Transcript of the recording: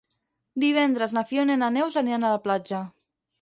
Divendres na Fiona i na Neus aniran a la platja.